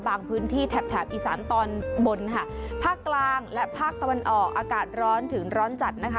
พื้นที่แถบแถบอีสานตอนบนค่ะภาคกลางและภาคตะวันออกอากาศร้อนถึงร้อนจัดนะคะ